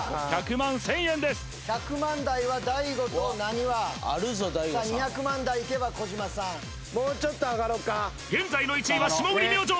１００万１０００円です１００万台は大悟となにわさあ２００万台いけば児嶋さんもうちょっと上がろっか現在の１位は霜降り明星！